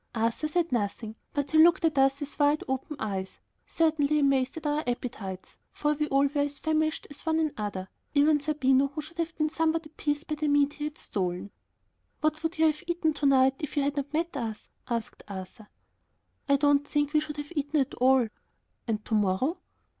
Arthur said nothing, but he looked at us with wide open eyes, certainly amazed at our appetites, for we were all as famished as one another, even Zerbino, who should have been somewhat appeased by the meat that he had stolen. "What would you have eaten to night if you had not met us?" asked Arthur. "I don't think we should have eaten at all." "And to morrow?"